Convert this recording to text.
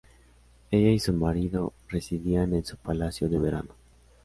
Ella y su marido residían en su palacio de verano.